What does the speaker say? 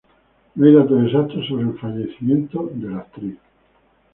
No hay datos exactos sobre el fallecimiento de la actriz.